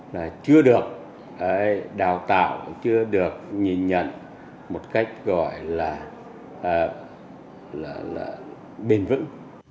là chưa được đào tạo chưa được nhìn nhận một cách gọi là bền vững